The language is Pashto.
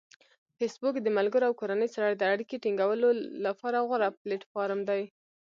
فېسبوک د ملګرو او کورنۍ سره د اړیکې ټینګولو لپاره غوره پلیټفارم دی.